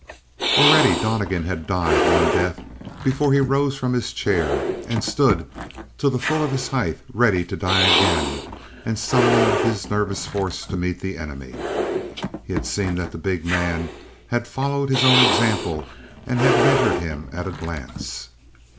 Already Donnegan had died one death before he rose from his chair and stood to the full of his height ready to die again and summoning his nervous force to meet the enemy. He had seen that the big man had followed his own example and had measured him at a glance.